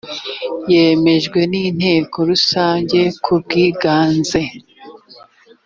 yemejwe n inteko rusange kubwiganze